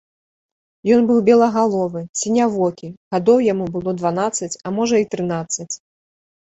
Ён быў белагаловы, сінявокі, гадоў яму было дванаццаць, а можа і трынаццаць.